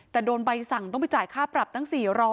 แต่โดนใบสั่งต้องไปจ่ายค่าปรับตั้ง๔๐๐